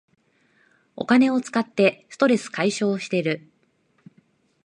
お金を使ってストレス解消してる